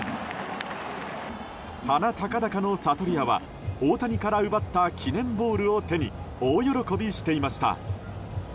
鼻高々のサトリアは大谷から奪った記念ボールを手に大喜びしていました。